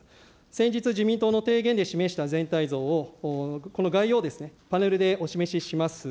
先日、自民党の提言で示した全体像を、この概要をパネルでお示しします。